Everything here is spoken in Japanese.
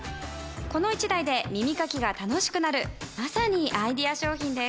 この一台で耳かきが楽しくなるまさにアイデア商品です。